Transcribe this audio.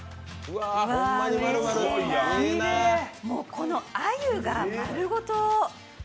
この鮎が丸ごと